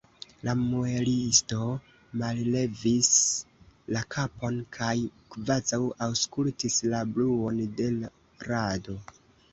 La muelisto mallevis la kapon kaj kvazaŭ aŭskultis la bruon de l' rado.